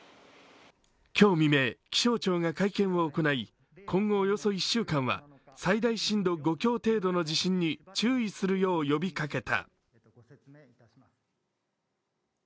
今日未明気象庁が会見を行い、今後およそ１週間は最大震度５強程度の地震に注意するよう呼びかけた。